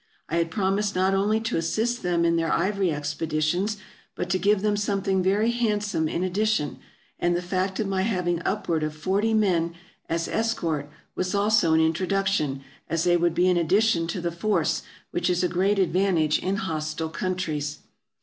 I had promised not only to assist them in their ivory expeditions, but to give them something very handsome in addition, and the fact of my having upward of forty men as escort was also an introduction, as they would be an addition to the force, which is a great advantage in hostile countries.